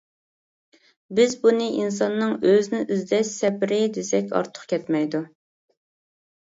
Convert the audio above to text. بىز بۇنى ئىنساننىڭ ئۆزىنى ئىزدەش سەپىرى دېسەك ئارتۇق كەتمەيدۇ.